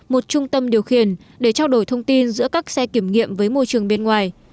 một trung tâm điều khiển để trao đổi thông tin giữa các xe kiểm nghiệm với môi trường bên ngoài